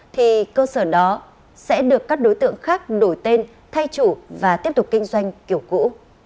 thì cơ sở đó sẽ được các đối tượng khác đổi tên thay chủ và tiếp tục kinh doanh kiểu cũ